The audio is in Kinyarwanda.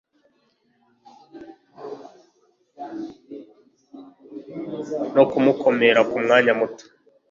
no kumukomera kumwanya muto